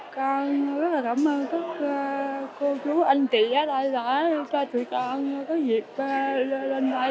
con rất là cảm ơn các cô chú anh chị đã cho tụi con có việc lên đây